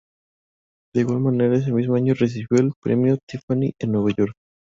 De igual manera ese mismo año, recibió el Premio Tiffany en Nueva York.